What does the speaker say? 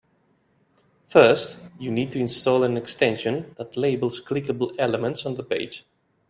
First, you need to install an extension that labels clickable elements on the page.